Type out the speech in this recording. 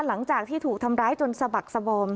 หลังจากที่ถูกทำร้ายจนสะบักสบอม